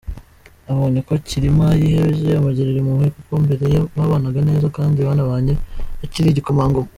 Abonye uko Cyilima yihebye amugirira impuhwe kuko mbere babanaga neza, kandi banabanye akiri igikomangoma.